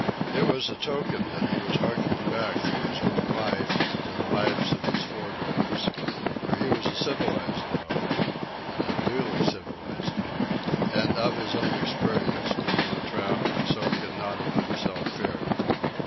It was a token that he was harking back through his own life to the lives of his forebears; for he was a civilized dog, an unduly civilized dog, and of his own experience knew no trap and so could not of himself fear it.